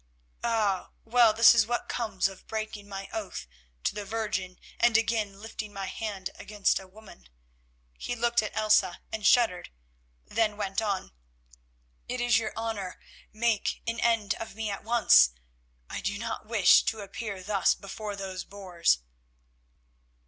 Ah! well, this is what comes of breaking my oath to the Virgin and again lifting my hand against a woman." He looked at Elsa and shuddered, then went on: "It is your hour, make an end of me at once. I do not wish to appear thus before those boors."